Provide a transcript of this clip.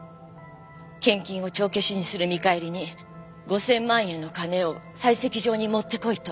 献金を帳消しにする見返りに５０００万円の金を採石場に持ってこいと。